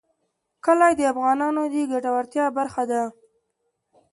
کلي د افغانانو د ګټورتیا برخه ده.